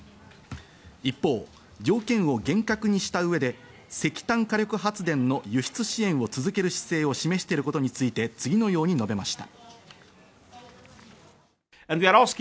一方、条件を厳格にした上で、石炭火力発電の輸出支援を続ける姿勢を示していることについて次のように述べました。